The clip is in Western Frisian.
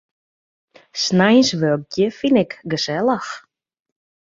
Sneins wurkje fyn ik gesellich.